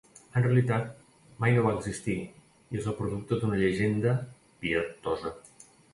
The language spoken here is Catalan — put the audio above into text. En realitat, mai no va existir i és el producte d'una llegenda pietosa.